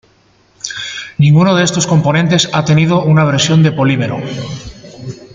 Ninguno de estos componentes ha tenido una versión de polímero.